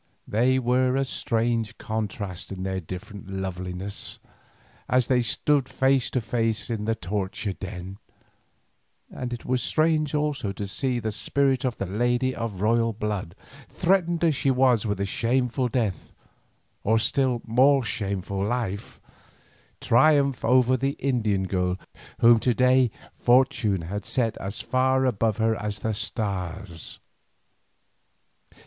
They were a strange contrast in their different loveliness as they stood face to face in the torture den, and it was strange also to see the spirit of the lady of royal blood, threatened as she was with a shameful death, or still more shameful life, triumph over the Indian girl whom to day fortune had set as far above her as the stars.